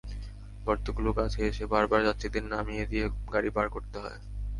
গর্তগুলোর কাছে এসে বারবার যাত্রীদের নামিয়ে দিয়ে গাড়ি পার করতে হয়।